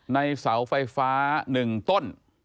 ในเสาไฟฟ้าหนึ่งต้น